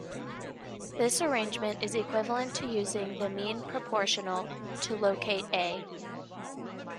This arrangement is equivalent to using the mean proportional to locate "a".